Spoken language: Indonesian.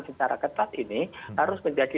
secara ketat ini harus menjadi